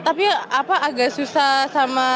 tapi agak susah sama